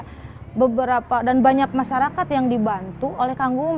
ada beberapa dan banyak masyarakat yang dibantu oleh kanggum